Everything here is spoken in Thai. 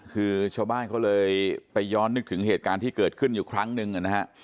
คือชาวบ้านเขาเลยไปย้อนนึกถึงเหตุการณ์ที่เกิดขึ้นอยู่ครั้งหนึ่งนะฮะ